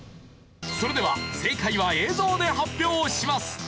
それでは正解は映像で発表します。